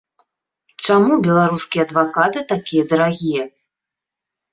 Чаму беларускія адвакаты такія дарагія?